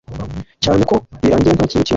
cyane ko birangira nta kintu kibaye